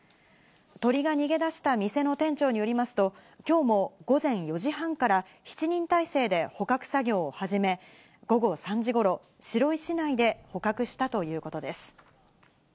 鳥が逃げ出した店の店長によりますと、きょうも午前４時半から７人態勢で捕獲作業を始め、午後３時ごろ、白井市内で捕獲したということです。